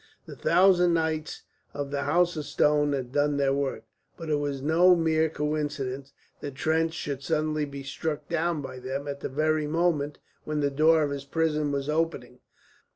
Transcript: The thousand nights of the House of Stone had done their work. But it was no mere coincidence that Trench should suddenly be struck down by them at the very moment when the door of his prison was opening.